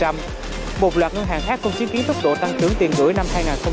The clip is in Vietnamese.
một loạt ngân hàng khác cũng chứng kiến tốc độ tăng trưởng tiền gửi năm hai nghìn hai mươi bốn